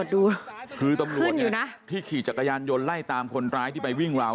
ดูคือตำรวจเนี่ยนะที่ขี่จักรยานยนต์ไล่ตามคนร้ายที่ไปวิ่งราว